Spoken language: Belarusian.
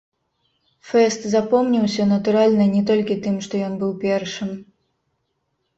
Фэст запомніўся, натуральна, не толькі тым, што ён быў першым.